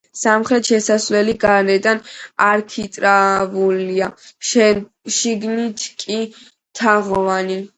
სამხრეთი შესასვლელი გარედან არქიტრავულია, შიგნით კი თაღოვანი.